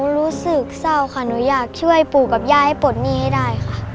รู้สึกเศร้าค่ะหนูอยากช่วยปู่กับย่าให้ปลดหนี้ให้ได้ค่ะ